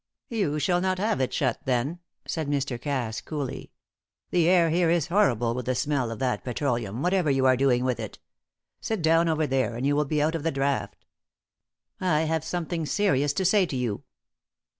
"You shall not have it shut, then," said Mr. Cass, coolly. "The air here is horrible with the smell of that petroleum, whatever you are doing with it. Sit down over there, and you will be out of the draught. I have something serious to say to you."